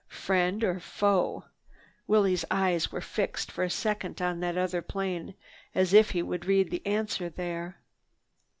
"Friend or foe?" Willie's eyes were fixed for a second on that other plane as if he would read the answer there.